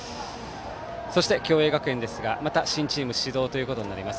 共栄学園ですがまた新チーム始動となります。